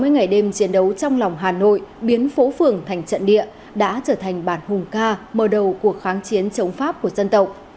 sáu mươi ngày đêm chiến đấu trong lòng hà nội biến phố phường thành trận địa đã trở thành bản hùng ca mở đầu cuộc kháng chiến chống pháp của dân tộc